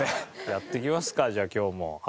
やっていきますかじゃあ今日も。